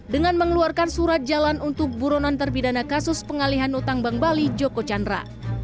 dengan mengeluarkan surat jalan untuk buronan terpidana kasus pengalihan utang bank bali joko chandra